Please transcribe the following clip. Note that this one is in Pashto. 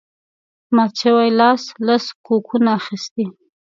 مات شوي لاس لس کوکونه اخیستي